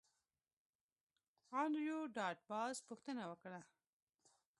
انډریو ډاټ باس پوښتنه وکړه